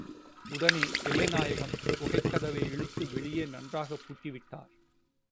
உடனே தில்லைநாயகம் குகைக்கதவை இழுத்து வெளியே நன்றாகப் பூட்டி விட்டார்.